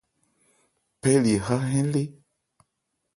Phɛ́li 'há hɛ́n lé.